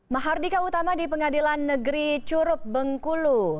mahardika utama di pengadilan negeri curup bengkulu